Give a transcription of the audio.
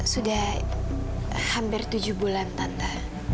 sudah hampir tujuh bulan tanta